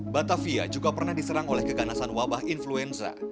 batavia juga pernah diserang oleh keganasan wabah influenza